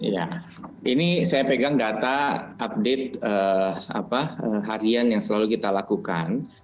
ya ini saya pegang data update harian yang selalu kita lakukan